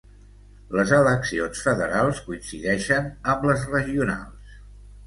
Les eleccions federals coincideixen amb les regionals.